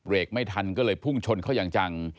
ไม่ทันก็เลยพุ่งชนเขาอย่างจัง